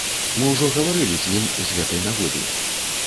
Мы ўжо гаварылі з ім з гэтай нагоды.